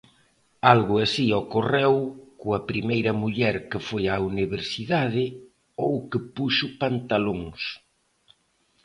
Algo así ocorreu coa primeira muller que foi á universidade ou que puxo pantalóns.